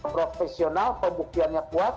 profesional pembuktiannya kuat